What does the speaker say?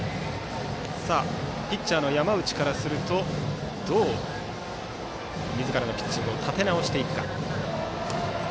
ピッチャーの山内からするとどうみずからのピッチングを立て直していくか。